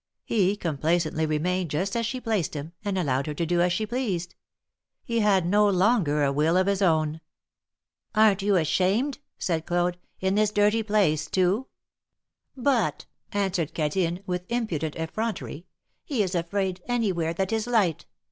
He complacently remained just as she placed him, and allowed her to do as she pleased. He had no longer a will of his own. '^Aren^t you ashamed ?" said Claude. ^^In this dirty place, too! But," answered Cadine, with impudent effrontery, he is afraid anywhere that is light!